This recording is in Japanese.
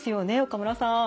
岡村さん。